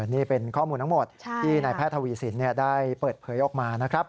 นี่เป็นข้อมูลทั้งหมดที่นายแพทย์ทวีสินได้เปิดเผยออกมานะครับ